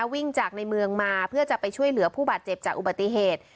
วิ่งจากในเมืองมาเพื่อจะไปช่วยเหลือผู้บาดเจ็บจากอุบัติเหตุ